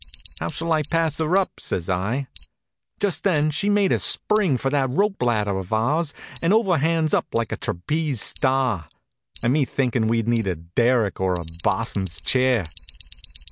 "How shall I pass her up?" says I. Just then she made a spring for that rope ladder of ours and overhands up like a trapeze star. An' me thinkin' we'd need a derrick or a bo's'n's chair!